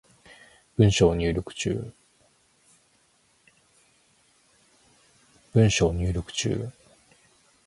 文章入力中